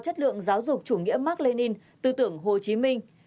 chất lượng giáo dục chủ nghĩa mark lenin tư tưởng hồ chí minh